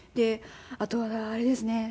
あとはあれですね。